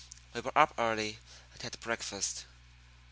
We were up early and had breakfast.